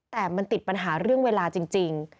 แต่มันติดปัญหาเรื่องเวลาจริง